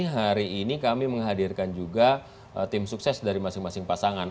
hari ini kami menghadirkan juga tim sukses dari masing masing pasangan